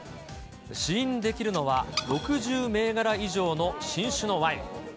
試飲できるのは、６０銘柄以上の新種のワイン。